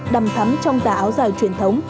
đầm thắm trong giả áo giải truyền thống